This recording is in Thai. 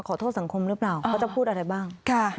โทษสังคมหรือเปล่าเขาจะพูดอะไรบ้าง